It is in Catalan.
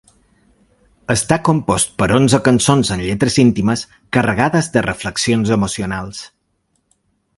Està compost per onze cançons amb lletres íntimes, carregades de reflexions emocionals.